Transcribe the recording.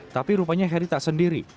tapi rupanya heri tak sendiri